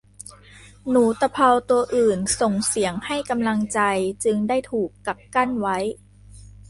หนูตะเภาตัวอื่นส่งเสียงให้กำลังใจจึงได้ถูกกักกั้นไว้